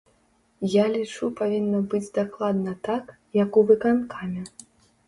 Я лічу павінна быць дакладна так, як у выканкаме.